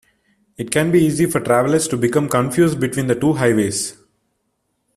It can be easy for travelers to become confused between the two highways.